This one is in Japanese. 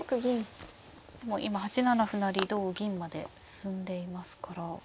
もう今８七歩成同銀まで進んでいますから。